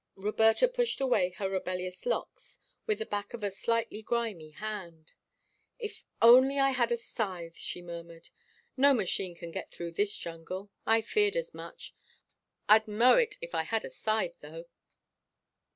Roberta pushed away her rebellious locks with the back of a slightly grimy hand. "If I only had a scythe!" she murmured. "No machine can get through this jungle I feared as much. I'd mow it if I had a scythe, though!"